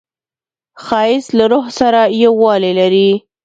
ښایست له روح سره یووالی لري